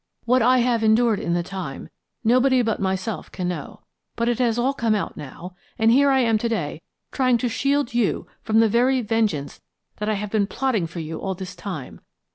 What I have endured in the time nobody but myself can know. But it has all come out now, and here am I to day trying to shield you from the very vengeance that I have been plotting for you all this time.